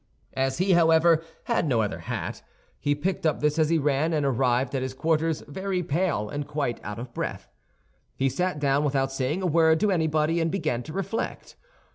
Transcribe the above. As he, however, had no other hat, he picked up this as he ran, and arrived at his quarters very pale and quite out of breath. He sat down without saying a word to anybody, and began to reflect.